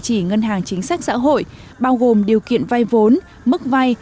chỉ ngân hàng chính sách xã hội bao gồm điều kiện vay vốn mức vay